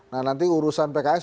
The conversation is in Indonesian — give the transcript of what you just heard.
nah nanti urusan pks